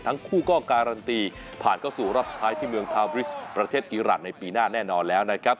ทั้งคู่ก็การันตีผ่านเข้าสู่รอบสุดท้ายที่เมืองทาบริสประเทศกิรัตนในปีหน้าแน่นอนแล้วนะครับ